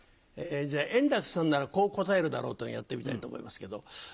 じゃあ円楽さんならこう答えるだろうというのをやってみたいと思いますけど。